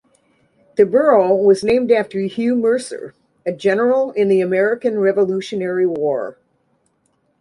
The borough was named after Hugh Mercer, a general in the American Revolutionary War.